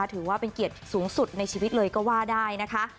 ถือว่าเป็นเกียรติสูงสุดในชีวิตเลยก็ว่าได้นะคะ